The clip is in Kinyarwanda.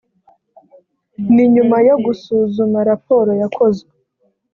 ni nyuma yo gusuzuma raporo yakozwe